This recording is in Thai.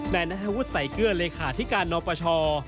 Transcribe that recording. และนัฐวุธใสเกลือเลขาธิการนปช